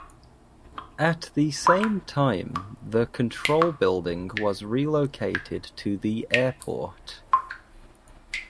At the same time the control building was relocated to the airport.